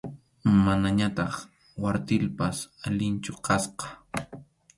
Manañataq kwartilpas alinchu kasqa.